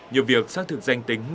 nhiều việc xác thực danh tính